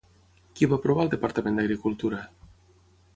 Qui va aprovar el Departament d'Agricultura?